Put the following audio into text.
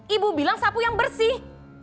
ibu bilang sapu yang bersih